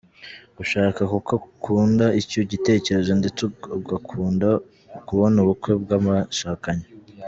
Gushaka kuko ukunda icyo gitekerezo ndetse ugakunda kubona ubukwe bw’abashakanye.